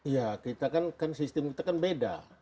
ya kita kan sistem kita kan beda